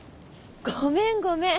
ごめんごめん。